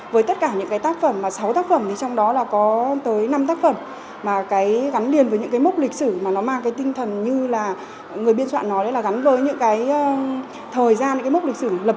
với tất cả những cái tác phẩm mà sáu tác phẩm thì trong đó là có tới năm tác phẩm mà cái gắn liền với những cái mốc lịch sử mà nó mang cái tinh thần như là người biên soạn nói đấy là gắn với những cái thời gian những cái mốc lịch sử lập